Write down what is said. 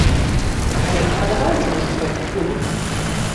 Але мне падабаецца выступаць у клубах.